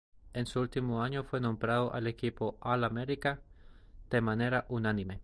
En su último año, fue nombrado al equipo All-America de manera unánime.